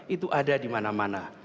itu ada di mana mana